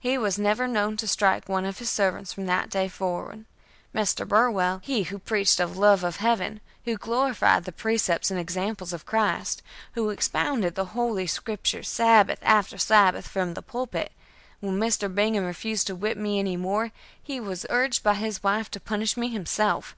He was never known to strike one of his servants from that day forward. Mr. Burwell, he who preached the love of Heaven, who glorified the precepts and examples of Christ, who expounded the Holy Scriptures Sabbath after Sabbath from the pulpit, when Mr. Bingham refused to whip me any more, was urged by his wife to punish me himself.